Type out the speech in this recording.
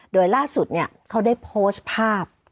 โดยล่าสุดเขาได้โพสต์ภาพ